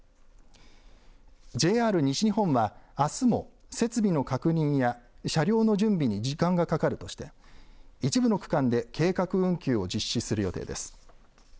ＪＲ西日本はあすも設備の確認や車両の準備に時間がかかるとして一部の区間で計画運休を実施する予定です。